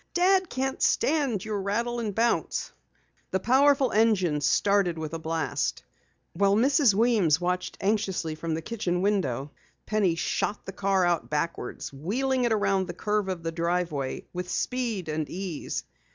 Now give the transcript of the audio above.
"Dad can't stand your rattle and bounce." The powerful engine started with a blast. While Mrs. Weems watched anxiously from the kitchen window, Penny shot the car out backwards, wheeling it around the curve of the driveway with speed and ease.